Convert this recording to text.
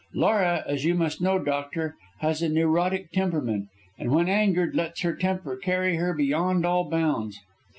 Laura, as you must know, doctor, has a neurotic temperament, and when angered lets her temper carry her beyond all bounds.